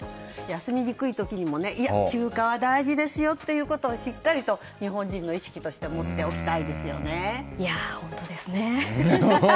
休みにくい時にも休暇は大事ですよということをしっかりと日本人の意識として持っておきたいですよね。